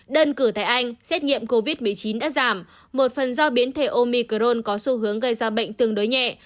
đơn cử tại anh xét nghiệm covid một mươi chín đã giảm một phần do biến thể omicrone có xu hướng gây ra bệnh tương đối nhẹ